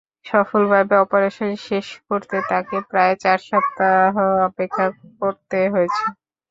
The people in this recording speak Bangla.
সফলভাবে অপারেশন শেষ করতে তাঁকে প্রায় চার সপ্তাহ অপেক্ষা করতে হয়েছে।